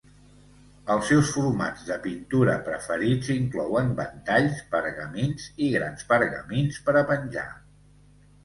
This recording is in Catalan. Els seus formats de pintura preferits inclouen ventalls, pergamins i grans pergamins per a penjar.